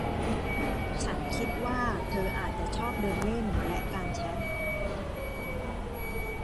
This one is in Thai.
ฉันคิดว่าเธออาจจะชอบเดินเล่นและการแชท